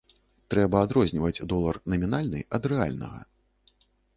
Трэба адрозніваць долар намінальны ад рэальнага.